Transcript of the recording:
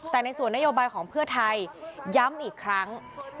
แต่ในส่วนนโยบายของเพื่อไทยย้ำอีกครั้ง